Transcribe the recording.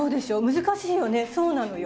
難しいよねそうなのよ。